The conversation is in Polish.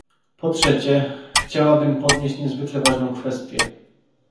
Po trzecie, chciałabym podnieść niezwykle ważną kwestię